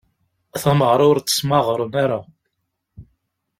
Tamaɣra ur tt-smaɣren ara.